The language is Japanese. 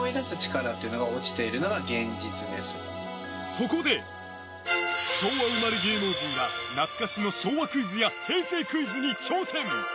そこで、昭和生まれ芸能人が懐かしの昭和クイズや平成クイズに挑戦。